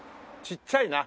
ちっちゃいな。